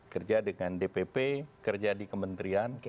kerja dengan dpp kerja di kementerian